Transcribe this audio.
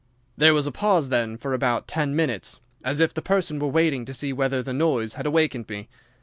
"There was a pause then for about ten minutes, as if the person were waiting to see whether the noise had awakened me.